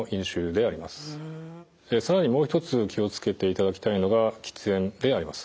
更にもう一つ気を付けていただきたいのが喫煙であります。